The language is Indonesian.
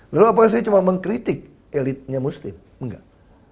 lalu apakah saya cuma mengkritik elitnya muslim enggak